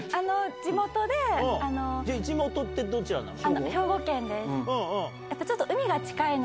地元ってどちらなの？